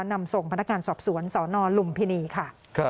นำส่งพนักงานสอบสวนสนลุมพินีค่ะ